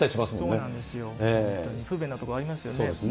本当に、不便なところありますよね。